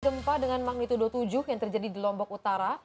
gempa dengan magnitudo tujuh yang terjadi di lombok utara